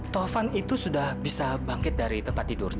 taufan itu sudah bisa bangkit dari tempat tidurnya